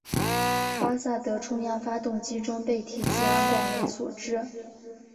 巴萨德冲压发动机中被提及而广为所知。